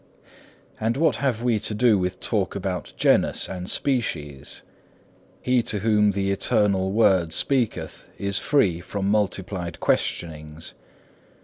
2. And what have we to do with talk about genus and species! He to whom the Eternal Word speaketh is free from multiplied questionings.